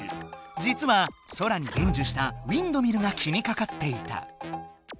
じつはソラにでんじゅしたウインドミルが気にかかっていた。